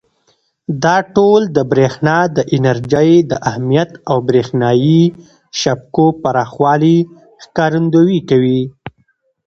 دا ټول د برېښنا د انرژۍ د اهمیت او برېښنایي شبکو پراخوالي ښکارندويي کوي.